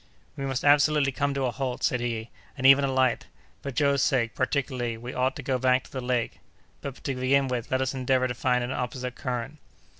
"We must absolutely come to a halt," said he, "and even alight. For Joe's sake, particularly, we ought to go back to the lake; but, to begin with, let us endeavor to find an opposite current."